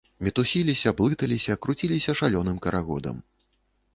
Мітусіліся, блыталіся, круціліся шалёным карагодам.